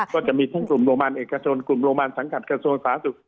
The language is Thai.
ก็จะมีทั้งกลุ่มโรงพยาบาลเอกชนกลุ่มโรงพยาบาลสังกัดกระทรวงสาธารณสุข